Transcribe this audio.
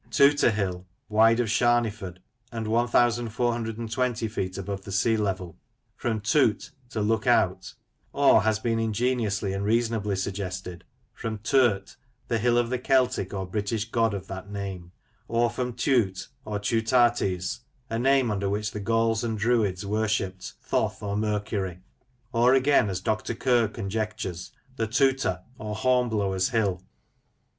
Tooter Hill, wide of Sharneyford, and 1420 feet above the sea level, — from "toot" to look out ; or as has been ingeniously and reasonably suggested, from " Tot," the hill of the Celtic or British god of that name ; or from " Teut " or " Teutates," a name under which the Gauls and Druids worshipped Thoth or Mercury; or again, as Dr. Kerr conjectures, the " Tooter," or Hornblower's hill.